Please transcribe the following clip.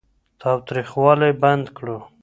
تاوتريخوالی بند کړو.